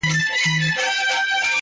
له باڼو تر ګرېوانه د اوښكو كور دئ.!